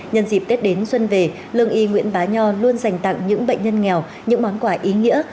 nhân dịp tết đến xuân về lương y nguyễn bá nho luôn dành tặng những bệnh nhân nghèo những món quà ý nghĩa